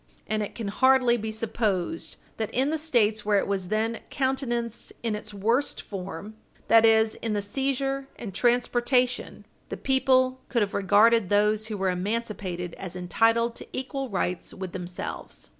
And it can hardly be supposed that, in the States where it was then countenanced in its worst form that is, in the seizure and transportation the people could have regarded those who were emancipated as entitled to equal rights with themselves.